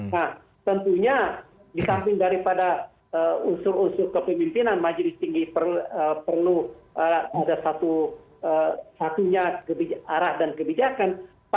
nah tentunya di samping daripada unsur unsur kepemimpinan majelis tinggi perlu ada satunya arah dan kebijakan